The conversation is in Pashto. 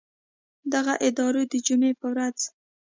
دغه ادارو د جمعې په ورځ